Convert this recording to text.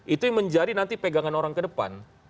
itu yang menjadi nanti pegangan orang ke depan